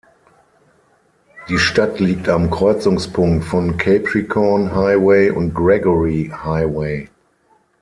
Die Stadt liegt am Kreuzungspunkt von Capricorn Highway und Gregory Highway.